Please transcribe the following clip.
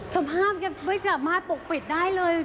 สภาพเฮียบไม่จากมาปกปิดได้เลย